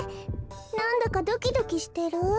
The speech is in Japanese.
なんだかドキドキしてる？